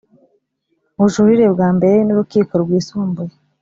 bujurire bwa mbere n Urukiko Rwisumbuye